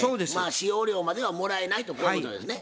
使用料まではもらえないとこういうことですね。